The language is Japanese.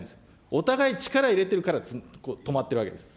お互い力いれてるから止まっているわけです。